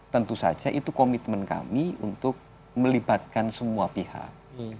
tentu saja itu komitmen kami untuk melibatkan semua pihak